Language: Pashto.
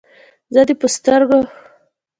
زه دې په سترګو ښکلوم.